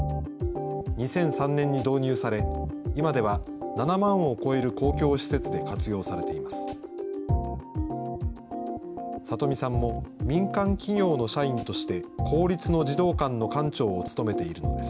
２００３年に導入され、今では７万を超える公共施設で活用されています。